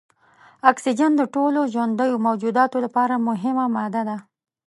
اکسیجن د ټولو ژوندیو موجوداتو لپاره مهمه ماده ده.